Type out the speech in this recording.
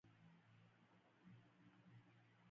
مؤمن تل د بل د ښېګڼې هیله لري.